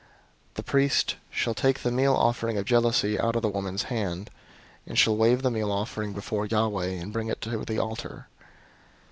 005:025 The priest shall take the meal offering of jealousy out of the woman's hand, and shall wave the meal offering before Yahweh, and bring it to the altar.